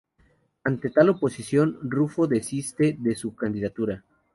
Ante tal oposición, Ruffo desiste de su candidatura.